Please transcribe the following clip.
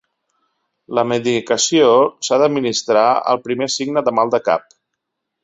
La medicació s'ha d'administrar al primer signe de mal de cap.